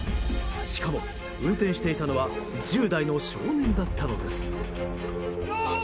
しかも運転していたのは１０代の少年だったのです。